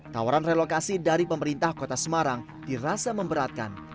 tawaran relokasi dari pemerintah kota semarang dirasa memberatkan